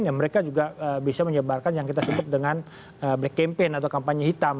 yang mereka juga bisa menyebarkan yang kita sebut dengan black campaign atau kampanye hitam